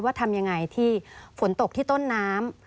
ทำยังไงที่ฝนตกที่ต้นน้ำ